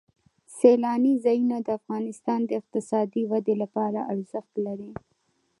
سیلانی ځایونه د افغانستان د اقتصادي ودې لپاره ارزښت لري.